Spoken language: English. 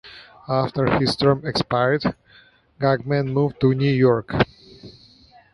After his term expired, Guggenheim moved to New York.